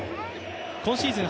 今シーズン